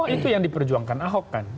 oh itu yang diperjuangkan ahok kan